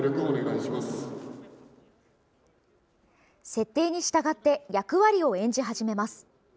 設定に従って役割を演じ始めます。